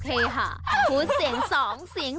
แชร์แรก